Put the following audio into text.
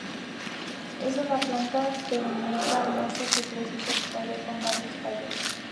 Es una planta perenne carnosa que crece solitaria o con varios tallos.